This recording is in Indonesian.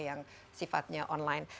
yang sifatnya online